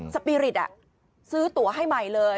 สปีริตซื้อตัวให้ใหม่เลย